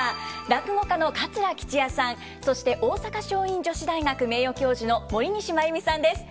落語家の桂吉弥さんそして大阪樟蔭女子大学名誉教授の森西真弓さんです。